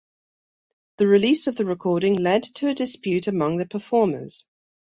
The release of the recording led to a dispute among the performers.